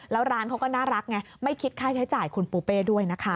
แล้วร้านเขาก็น่ารักไงไม่คิดค่าใช้จ่ายคุณปูเป้ด้วยนะคะ